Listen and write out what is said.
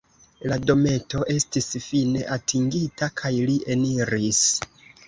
La dometo estis fine atingita, kaj li eniris.